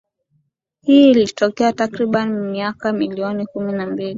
Hii ilitokea takriban miaka milioni kumi na mbili